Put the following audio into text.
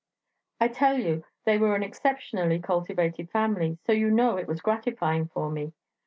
I tell you, they were an exceptionally cultivated family; so you know it was gratifying for me.